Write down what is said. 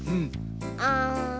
あん。